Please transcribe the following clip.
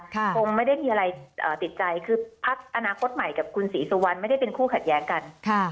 คงไม่ได้มีอะไรติดใจคือพักอนาคตใหม่กับคุณศรีสุวรรณไม่ได้เป็นคู่ขัดแย้งกัน